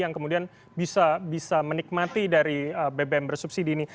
yang kemudian bisa menikmati dari bbm bersubsidi ini